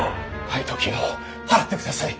配当金を払ってください。